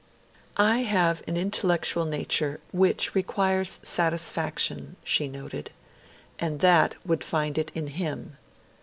'I have an intellectual nature which requires satisfaction,' she noted, 'and that would find it in him.